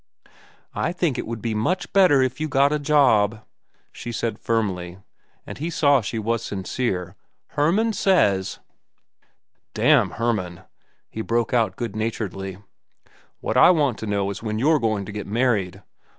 "I think it would be much better if you got a job," she said firmly, and he saw she was sincere. "Hermann says—" "Damn Hermann!" he broke out good naturedly. "What I want to know is when you're going to get married.